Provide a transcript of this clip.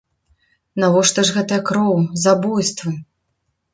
Навошта ж гэтая кроў, забойствы?